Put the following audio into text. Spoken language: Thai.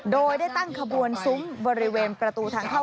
โดยได้ตั้งขบวนซุ้มบริเวณประตูทางเข้า